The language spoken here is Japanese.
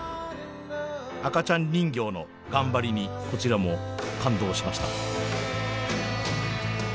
赤ちゃん人形の頑張りにこちらも感動しました。